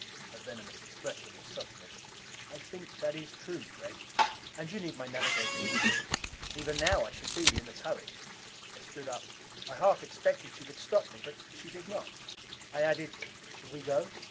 Her venomous expression was softening. "I think that is true, Gregg!" "And you need my navigating skill. Even now I should be in the turret." I stood up. I half expected she would stop me, but she did not. I added, "Shall we go?"